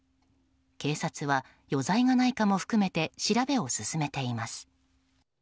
警察は余罪がないかも含めて調べを進めています。